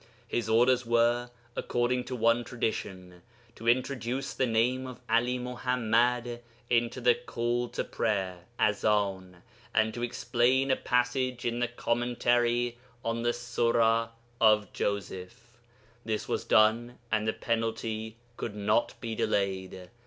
His orders were (according to one tradition) to introduce the name of 'Ali Muḥammad into the call to prayer (azan) and to explain a passage in the commentary on the Sura of Joseph. This was done, and the penalty could not be delayed.